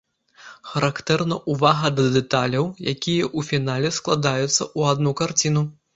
Характэрна ўвага да дэталяў, якія ў фінале складаюцца ў адну карціну.